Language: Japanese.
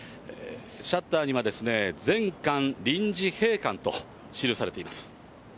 シャッターには、全館臨時閉館と記されています。